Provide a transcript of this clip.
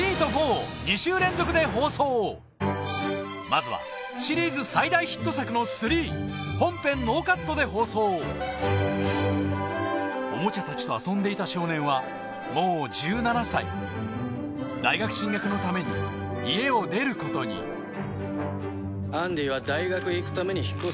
まずはシリーズ最大ヒット作ので放送オモチャたちと遊んでいた少年はもう１７歳大学進学のために家を出ることにアンディは大学へ行くために引っ越す。